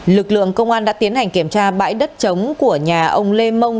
lực lượng công an đã tiến hành kiểm tra bãi đất chống của nhà ông lê mông